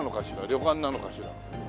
旅館なのかしら？